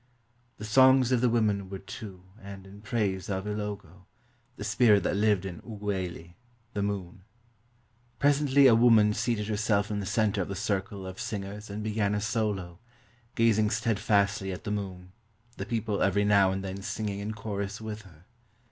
The songs of the women were to and in praise of Ilogo, the spirit that lived in ogouayli (the moon). Presently 428 CONSULTING THE MAN IN THE MOON a woman seated herself in the center of the circle of sing ers and began a solo, gazing steadfastly at the moon, the people every now and then singing in chorus with her.